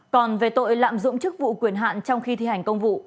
còn về tội lạm dụng chức vụ quyền hạn trong khi thi hành công vụ